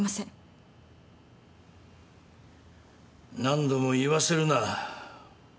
何度も言わせるな。